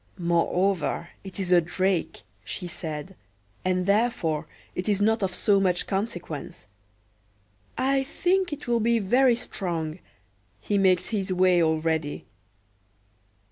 "Moreover it is a drake," she said, "and therefore it is not of so much consequence. I think he will be very strong: he makes his way already."